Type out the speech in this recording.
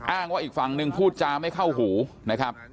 อ้างว่าอีกฝั่งหนึ่งพูดจาไม่เข้าหูนะครับ